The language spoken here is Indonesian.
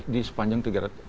di sepanjang tiga ratus